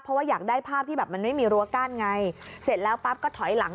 เพราะว่าอยากได้ภาพที่แบบมันไม่มีรั้วกั้นไงเสร็จแล้วปั๊บก็ถอยหลัง